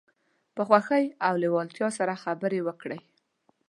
په خوښۍ او لیوالتیا سره خبرې وکړئ.